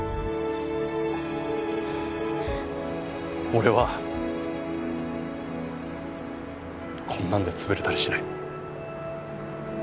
俺はこんなので潰れたりしない。